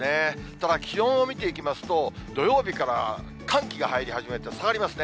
ただ気温を見ていきますと、土曜日から寒気が入り始めて、下がりますね。